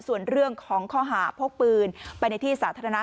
ส่วนเรื่องของข้อหาพกปืนไปในที่สาธารณะ